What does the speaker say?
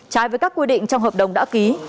trái với các quy định trong hợp đồng đã ký